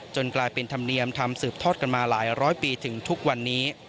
กลายเป็นธรรมเนียมทำสืบทอดกันมาหลายร้อยปีถึงทุกวันนี้